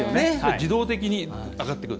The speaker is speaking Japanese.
自動的に上がってくる。